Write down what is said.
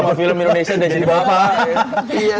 sama film indonesia udah jadi bapak